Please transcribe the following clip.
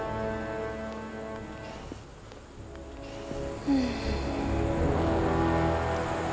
yah beneran bi